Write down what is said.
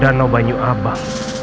danau banyu abang